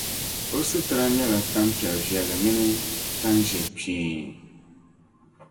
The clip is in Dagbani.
O situra nyɛla tampiɛl’ viɛlli mini tan’ ʒiɛkpeein.